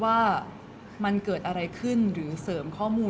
วันนั้นถ้าเอมไม่ตัดสินใจเดินเข้าไปบอกเขา